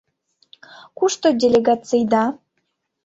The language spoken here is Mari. Кушто делегацийда?